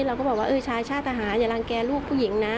เราก็บอกว่าเออชายชาติทหารอย่ารังแก่ลูกผู้หญิงนะ